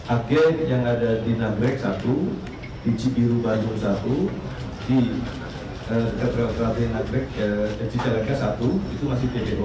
agen yang ada di nagrek satu di jibiru bandung satu di ketelak ketelaknya satu itu masih dpo